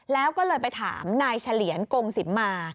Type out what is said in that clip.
แล้วก็เลยไปถามนายเฉลียนกงสิมมา